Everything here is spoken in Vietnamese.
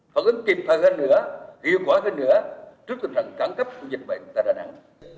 phản ứng kịp thay hơn nữa hiệu quả hơn nữa trước tình trạng cắn cấp dịch bệnh tại đà nẵng